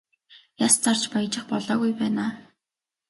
Яс зарж баяжих болоогүй байна аа.